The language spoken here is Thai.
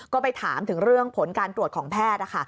ก็ไปถามถึงเรื่องผลการตรวจของแพทย์